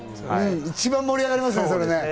一番盛り上がりますね。